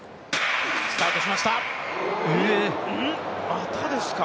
またですか？